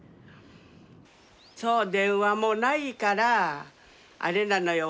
そう電話もないからあれなのよ